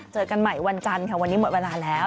เจอกันใหม่วันจันทร์ค่ะวันนี้หมดเวลาแล้ว